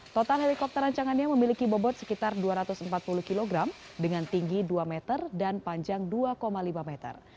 total helikopter rancangannya memiliki bobot sekitar dua ratus empat puluh kg dengan tinggi dua meter dan panjang dua lima meter